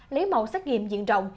lý mẫu xét nghiệm diện rộng